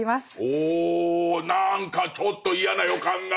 おお何かちょっと嫌な予感が。